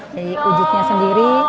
jadi ujitnya sendiri